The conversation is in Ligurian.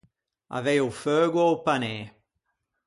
Avei o feugo a-o panê.